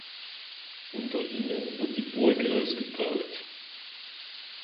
Unter ihnen wird die Burg ausgebaut.